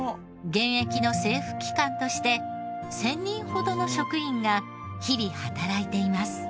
現役の政府機関として１０００人ほどの職員が日々働いています。